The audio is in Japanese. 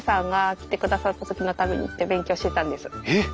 えっ！